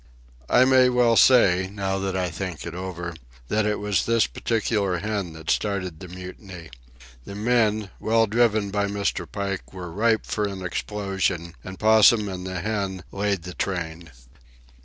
I may well say, now that I think it over, that it was this particular hen that started the mutiny. The men, well driven by Mr. Pike, were ripe for an explosion, and Possum and the hen laid the train.